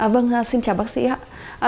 vâng xin chào bác sĩ ạ